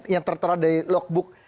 yang tertera dari logbook